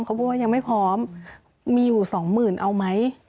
เขาบอกว่ายังไม่พร้อมมีอยู่๒๐๐๐๐เอาไหม